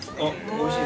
おいしい。